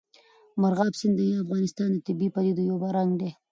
مورغاب سیند د افغانستان د طبیعي پدیدو یو رنګ دی.